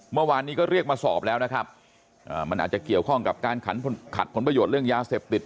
เมื่อวานนี้ก็เรียกมาสอบแล้วนะครับมันอาจจะเกี่ยวข้องกับการขันขัดผลประโยชน์เรื่องยาเสพติด